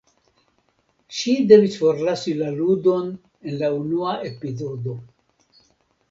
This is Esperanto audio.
Ŝi devis forlasi la ludon en la unua epizodo.